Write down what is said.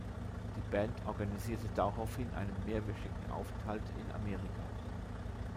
Die Band organisierte daraufhin einen mehrwöchigen Aufenthalt in Amerika.